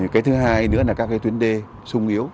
cái thứ hai nữa là các cái tuyến đê sung yếu